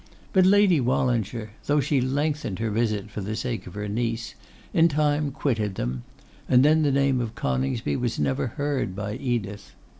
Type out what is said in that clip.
But Lady Wallinger, though she lengthened her visit for the sake of her niece, in time quitted them; and then the name of Coningsby was never heard by Edith.